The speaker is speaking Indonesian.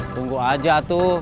tunggu aja atu